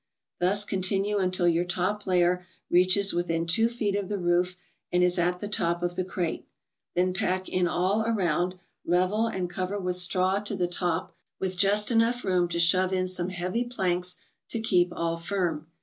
Thus continue until your top layer reaches within two feet of the roof, and is at the top of the crate. Then pack in all around, level, and cover with straw to the top, with just enough room ICED BEVERAGES. S3 to shove in some heavy planks to keep all firm.